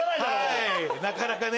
はいなかなかね。